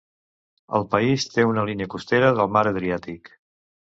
El país te una línia costera del Mar Adriàtic.